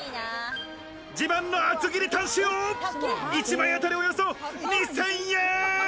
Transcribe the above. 自慢の厚切りタン塩、一枚あたりおよそ２０００円！